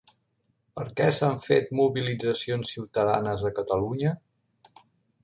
Per què s'han fet mobilitzacions ciutadanes a Catalunya?